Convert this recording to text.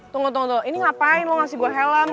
tunggu tunggu tunggu ini ngapain lo ngasih gue helm